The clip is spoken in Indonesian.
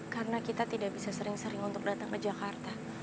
karena kita tidak bisa sering sering untuk datang ke jakarta